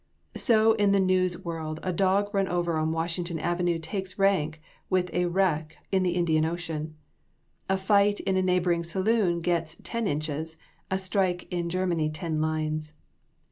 So in the news world a dog run over on Washington avenue takes rank with a wreck in the Indian Ocean. A fight in a neighboring saloon gets ten inches: a strike in Germany ten lines.